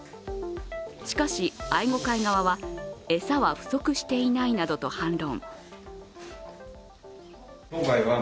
しかし、愛護会側は餌は不足していないなどと反乱。